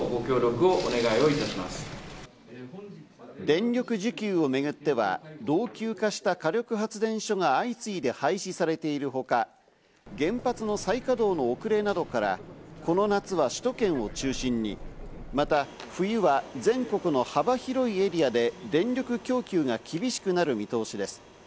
電力需給をめぐっては、老朽化した火力発電所が相次いで廃止されているほか、原発の再稼働の遅れなどから、この夏は首都圏を中心に、また冬は全国の幅広いエリアで電力を供給が厳しくなる見通しです。